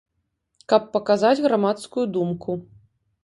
Каб паказаць грамадскую думку.